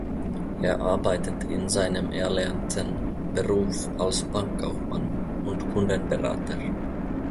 Er arbeitet in seinem erlernten Beruf als Bankkaufmann und Kundenberater.